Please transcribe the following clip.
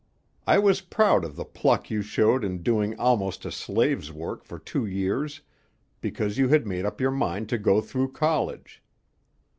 "I was proud of the pluck you showed in doing almost a slave's work for two years, because you had made up your mind to go through college.